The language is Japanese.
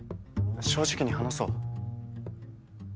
正直に話そう。